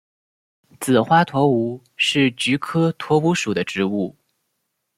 紫花橐吾是菊科橐吾属的植物。